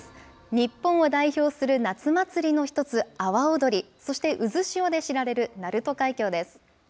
日本を代表する夏祭りの一つ、阿波おどり、そして渦潮で知られる鳴門海峡です。